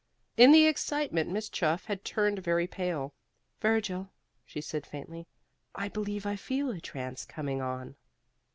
In the excitement Miss Chuff had turned very pale. "Virgil," she said faintly, "I believe I feel a trance coming on."